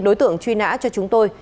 đối tượng truy nã cho chúng tôi